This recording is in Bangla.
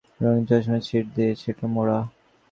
রঙিন রেশমের ছিট দিয়ে সেটা মোড়া।